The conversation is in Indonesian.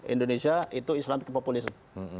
indonesia itu islamic populism